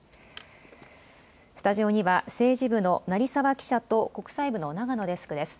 スタジオには政治部の成澤記者と国際部の長野デスクです。